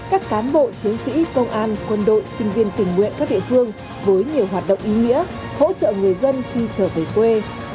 các cán bộ chiến sĩ công an quân đội sinh viên tình nguyện các địa phương với nhiều hoạt động ý nghĩa hỗ trợ người dân khi trở về quê